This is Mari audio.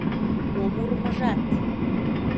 Мом урмыжат?